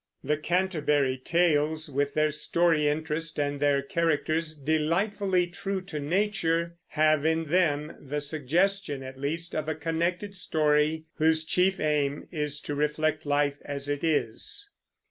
The Canterbury Tales, with their story interest and their characters delightfully true to nature, have in them the suggestion, at least, of a connected story whose chief aim is to reflect life as it is.